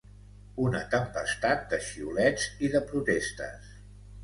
Una tempestat de xiulets i de protestes.